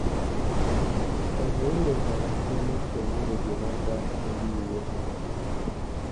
Omuweereza yazzeemu nti emmere gye baagala teriiwo.